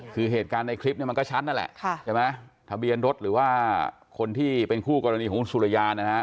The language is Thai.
คือเหตุการณ์ในคลิปเนี่ยมันก็ชัดนั่นแหละใช่ไหมทะเบียนรถหรือว่าคนที่เป็นคู่กรณีของคุณสุริยานะฮะ